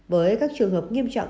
với các trường hợp nghiêm trọng